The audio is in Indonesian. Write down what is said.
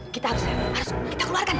kita harus kita keluarkan